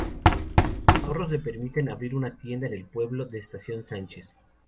Sus ahorros le permitieron abrir una tienda en el pueblo de Estación Sánchez.